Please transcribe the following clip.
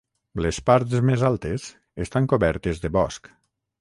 Les parts més altes estan cobertes de bosc.